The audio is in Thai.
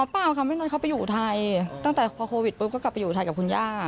เปล่าค่ะไม่น้อยเขาไปอยู่ไทยตั้งแต่พอโควิดปุ๊บก็กลับไปอยู่ไทยกับคุณย่า